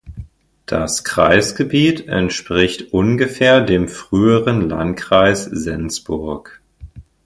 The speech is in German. Das Kreisgebiet entspricht ungefähr dem früheren Landkreis Sensburg.